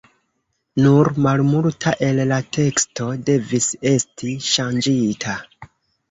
Nur malmulta el la teksto devis esti ŝanĝita.